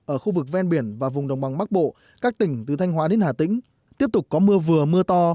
ở khu vực ven biển và vùng đồng bằng bắc bộ các tỉnh từ thanh hóa đến hà tĩnh tiếp tục có mưa vừa mưa to